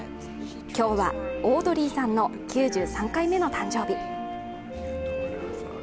今日はオードリーさんの９３回目の誕生日。